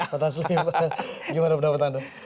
pak taslim gimana pendapat anda